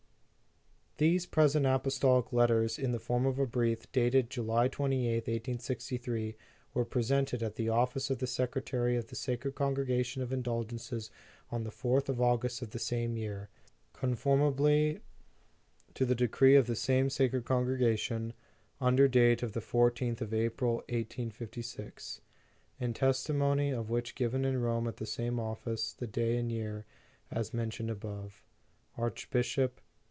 23 "These present apostolic letters, in the form of a Brief, dated July 28th, 1863, were presented at the Office of the Secretary of the Sacred Congregation of Indulgences on the 4th of August of the same year, con formably to the decree of the same Sacred Congregation, under date of the I4th of April, 1856. " In testimony of which, given in Rome at the same Office, the day and year as men tioned above. A. ARCHBP.